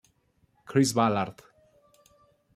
Chris Ballard.